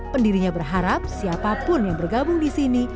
pendirinya berharap siapapun yang bergabung di sini